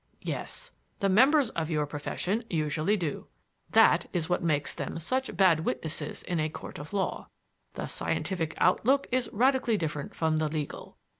"Yes; the members of your profession usually do. That is what makes them such bad witnesses in a court of law. The scientific outlook is radically different from the legal.